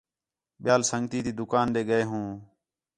ٻِیال سنڳتی تی دُکان دے ڳئے ہوں